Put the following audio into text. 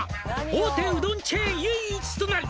「大手うどんチェーン唯一となる」